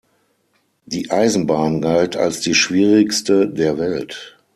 Die Eisenbahn galt als die schwierigste der Welt.